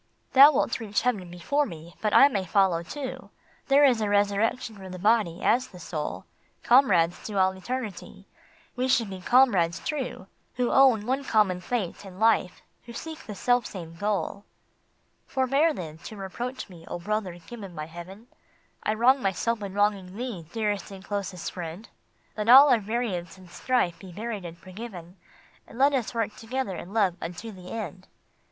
Thou wilt reach heaven before me, but I may follow too. There is a resurrection for the Body, as the Soul ; Comrades to all eternity, we should be comrades true Who own one common fate and life, who seek the self same goal. " Forbear, then, to reproach me, O brother given by Heaven ! I wrong myself in wronging thee, dearest and closest friend ! Let all our variance and strife be buried and forgiven, And let us work together in love unto the end."